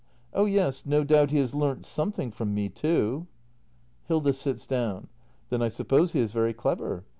Oh yes, no doubt he has learnt something from m e, too. Hilda. [Sits down.] Then I suppose he is very clever.